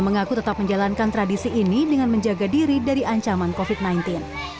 mengaku tetap menjalankan tradisi ini dengan menjaga diri dari ancaman covid sembilan belas